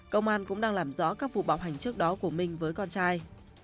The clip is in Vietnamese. công an cũng đang làm rõ các vụ bạo hành trước đó của minh với con trai